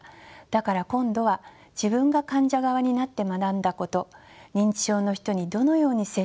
だから今度は自分が患者側になって学んだこと認知症の人にどのように接したらよいか。